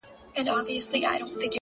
اوس مي د زړه كورگى تياره غوندي دى”